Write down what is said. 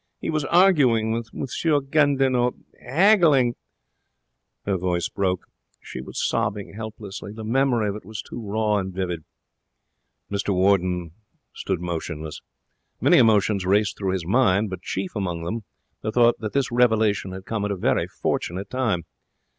He was arguing with M. Gandinot haggling ' Her voice broke. She was sobbing helplessly. The memory of it was too raw and vivid. Mr Warden stood motionless. Many emotions raced through his mind, but chief among them the thought that this revelation had come at a very fortunate time.